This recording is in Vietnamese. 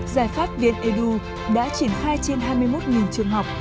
giải pháp vn edu đã triển khai trên hai mươi một trường học